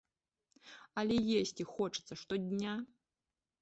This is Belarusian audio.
Але есці хочацца штодня.